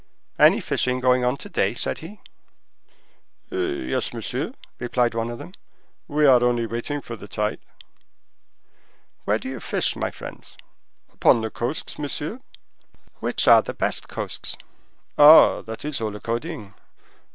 "Any fishing going on to day?" said he. "Yes, monsieur," replied one of them, "we are only waiting for the tide." "Where do you fish, my friends?" "Upon the coasts, monsieur." "Which are the best coasts?" "Ah, that is all according.